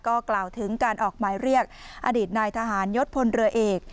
ก็กล่าวถึงการออกหมายเรียกอดีตนายทหารยศพลเรือเอก